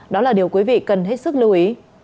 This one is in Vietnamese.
đó là điều quý vị cần hết sức lưu ý